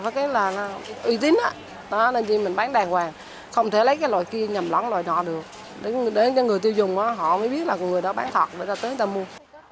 lúc nào phải là uy tín nên mình bán đàng hoàng không thể lấy loại kia nhầm lóng loại nhỏ được đến người tiêu dùng họ mới biết là người đó bán thật rồi ta tới ta mua